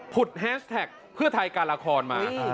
แฮชแท็กเพื่อไทยการละครมา